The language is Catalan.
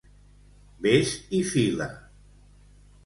Ves i fila!